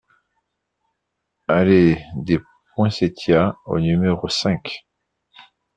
Allée des Poinsettias au numéro cinq